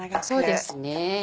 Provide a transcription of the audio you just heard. そうですね。